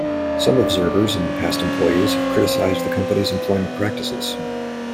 Some observers and past employees have criticized the company's employment practices.